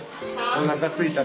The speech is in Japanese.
おなかすいた。